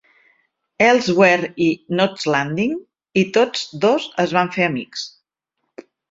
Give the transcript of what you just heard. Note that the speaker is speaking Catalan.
Elsewhere" i "Knots Landing", i tots dos es van fer amics.